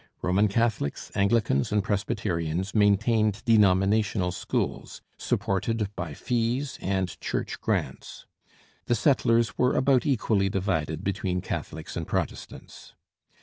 Roman Catholics, Anglicans, and Presbyterians maintained denominational schools, supported by fees and church grants. The settlers were about equally divided between Catholics and Protestants.